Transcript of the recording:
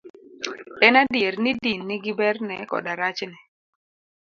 En adier ni din nigi berne koda rachne.